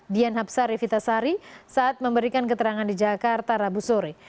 dian hapsari vitasari saat memberikan keterangan di jakarta rabu sore